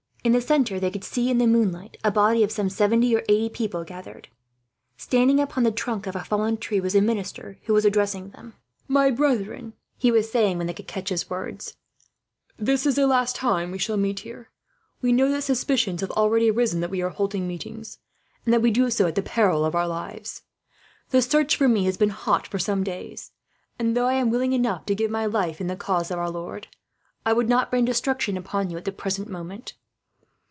In the centre they could see, in the moonlight, a body of some seventy or eighty people gathered. Standing upon the trunk of a fallen tree was a minister who was addressing them. "My brethren," he was saying, when they could catch his words, "this is the last time we shall meet here. We know that suspicions have already arisen that we are holding meetings, and that we do so at the peril of our lives. The search for me has been hot, for some days; and though I am willing enough to give my life in the cause of our Lord, I would not bring destruction upon you, at the present moment.